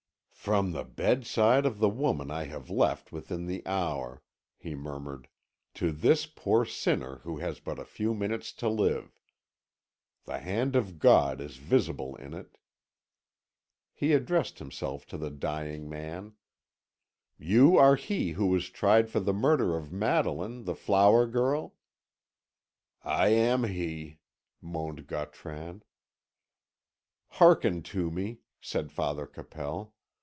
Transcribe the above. "From the bedside of the woman I have left within the hour," he murmured, "to this poor sinner who has but a few minutes to live! The hand of God is visible in it." He addressed himself to the dying man: "You are he who was tried for the murder of Madeline, the flower girl?" "I am he," moaned Gautran. "Hearken to me," said Father Capel.